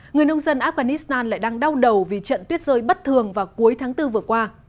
người nông dân afghanistan lại đang đau đầu vì trận tuyết rơi bất thường vào cuối tháng bốn vừa qua